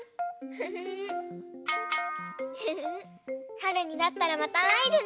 はるになったらまたあえるね。